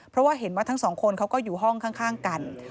เพราะว่าเห็นว่าทั้งสองคนเขาก็อยู่ห้องข้างกัน